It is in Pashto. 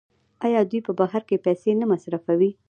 آیا دوی په بهر کې پیسې نه مصرفوي؟